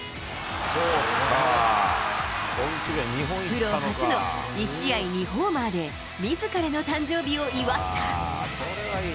プロ初の１試合２ホーマーでみずからの誕生日を祝った。